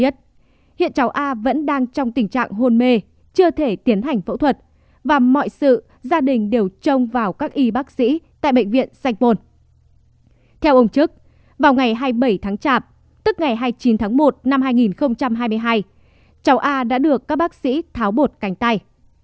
theo ông trức vào ngày hai mươi bảy tháng chạp tức ngày hai mươi chín tháng một năm hai nghìn hai mươi hai cháu a đã được các bác sĩ tháo bột cành tay